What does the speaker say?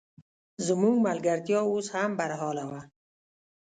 زموږ ملګرتیا اوس هم برحاله وه.